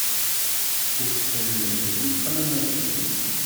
Uccen d bu texnanasin.